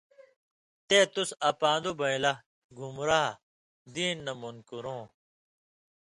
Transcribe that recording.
تے تُس، اپان٘دُو بېن٘لہ (گُمراہ) (دین نہ) منکُرؤں،